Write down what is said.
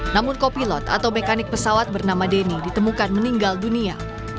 namun kopilot atau mekanik pesawat bernama denny ditemukan meninggal dunia